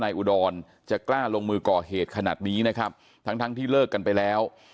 อุดรจะกล้าลงมือก่อเหตุขนาดนี้นะครับทั้งทั้งที่เลิกกันไปแล้ว